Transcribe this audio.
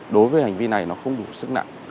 đối với hành vi này nó không đủ sức nặng